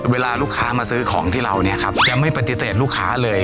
เวลาลูกค้ามาซื้อของที่เราจะไม่ปฏิเสธลูกค้าเลย